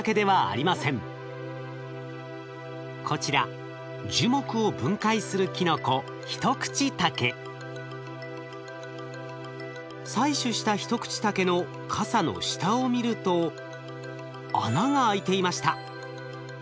こちら樹木を分解するキノコ採取したヒトクチタケのかさの下を見ると穴が開いていました。